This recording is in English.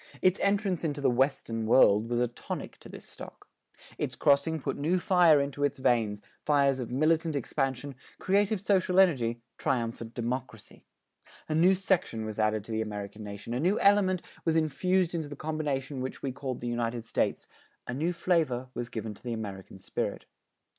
Its entrance into the "Western World" was a tonic to this stock. Its crossing put new fire into its veins fires of militant expansion, creative social energy, triumphant democracy. A new section was added to the American nation, a new element was infused into the combination which we call the United States, a new flavor was given to the American spirit.